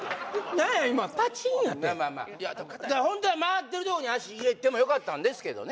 何や今パチンやったやんまあまあホントは回ってるとこに足入れてもよかったんですけどね